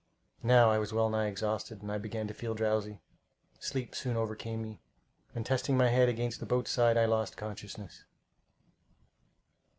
Now I was well nigh exhausted, and began to feel drowsy. Sleep soon overcame me, and testing my head against the boat's side, I lost consciousness.